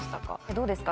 どうですか？